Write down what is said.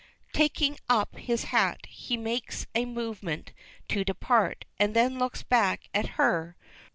Taking up his hat, he makes a movement to depart, and then looks back at her.